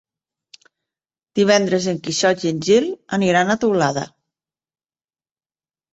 Divendres en Quixot i en Gil aniran a Teulada.